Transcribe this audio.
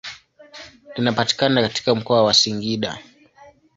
Linapatikana katika mkoa wa Singida.